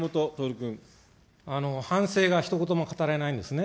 反省がひと言も語られないんですね。